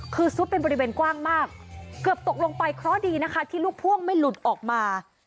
คือซุดเป็นบริเวณกว้างมากเกือบตกลงไปเคราะห์ดีนะคะที่ลูกพ่วงไม่หลุดออกมา